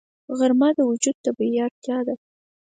غرمه د وجود طبیعي اړتیا ده